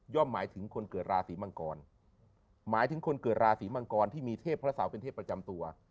หมายถึงคนเกิดราศีมังกรหมายถึงคนเกิดราศีมังกรที่มีเทพพระเสาเป็นเทพประจำตัว